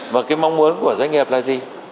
và cái mong muốn của doanh nghiệp là gì